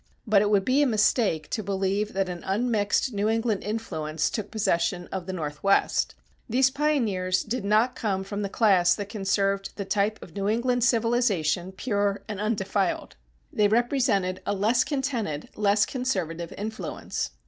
But it would be a mistake to believe that an unmixed New England influence took possession of the Northwest. These pioneers did not come from the class that conserved the type of New England civilization pure and undefiled. They represented a less contented, less conservative influence.